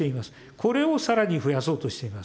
これをさらに増やそうとしています。